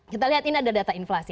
kita lihat ini ada data inflasi